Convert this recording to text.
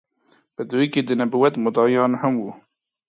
په دوی کې د نبوت مدعيانو هم وو